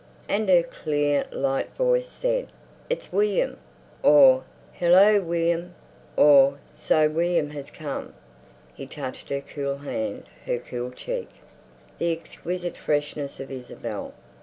And her clear, light voice said, "It's William," or "Hillo, William!" or "So William has come!" He touched her cool hand, her cool cheek. The exquisite freshness of Isabel!